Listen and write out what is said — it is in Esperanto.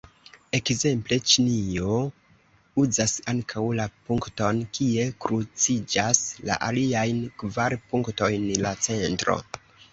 Ekzemple, Ĉinio uzas ankaŭ la punkton, kie kruciĝas la aliajn kvar punktojn: la centro.